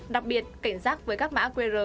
đặc biệt cảnh giác với các mã qr